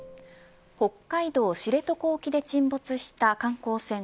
北海道知床沖で沈没した観光船